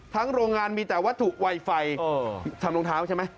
ทั้งโรงงานมีแต่วัตถุไวไฟทำลงเท้าใช่หมะ